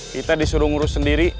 kita disuruh ngurus sendiri